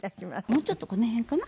もうちょっとこの辺かな？